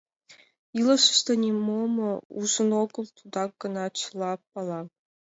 Илышыште нимом ужын огыл — тудак гына чыла пала.